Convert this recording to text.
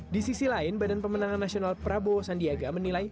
di sisi lain badan pemenangan nasional prabowo sandiaga menilai